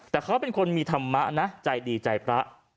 แต่เขาเป็นคนมีธรรมะนะใจดีใจพระ